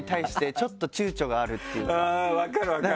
分かる分かる。